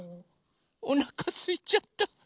おなかすいちゃった！